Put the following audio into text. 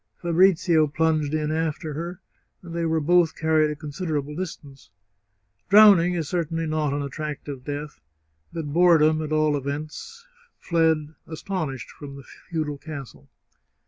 Fabrizio plunged in after her, and they were both carried a considerable distance. Drowning is certainly not an attractive death, but boredom, at all events, fled astonished from the feudal castle.